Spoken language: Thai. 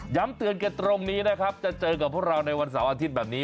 เตือนกันตรงนี้นะครับจะเจอกับพวกเราในวันเสาร์อาทิตย์แบบนี้